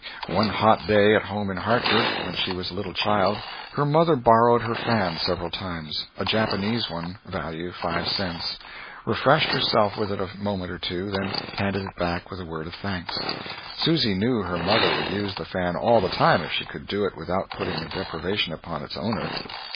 One hot day, at home in Hartford, when she was a little child, her mother borrowed her fan several times (a Japanese one, value five cents), refreshed herself with it a moment or two, then handed it back with a word of thanks. Susy knew her mother would use the fan all the time if she could do it without putting a deprivation upon its owner.